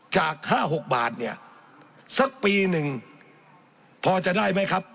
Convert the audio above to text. จาก๕๖บาทเนี่ยสักปีหนึ่งพอจะได้ไหมครับ